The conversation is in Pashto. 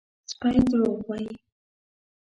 _سپی دروغ وايي!